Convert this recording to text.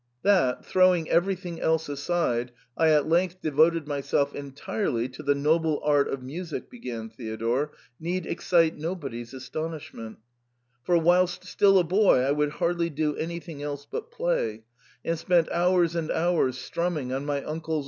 "That, throwing everything else aside, I at length devoted myself entirely to the noble art of music," began Theodore, " need excite nobody's astonishment, for whilst still a boy I would hardly do anything else but play, and spent hours and hours strumming on my uncle's old creaking, jarring piano.